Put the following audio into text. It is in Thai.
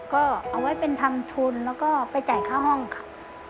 ก็เอาไว้เป็นทำทุนแล้วก็ไปจ่ายค่าห้องค่ะ